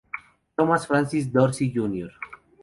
Thomas Francis Dorsey, Jr.